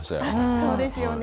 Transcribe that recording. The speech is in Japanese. そうですよね。